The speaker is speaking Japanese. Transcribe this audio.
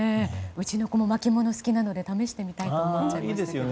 うちの子も巻物好きなので試してみたいと思いますけど。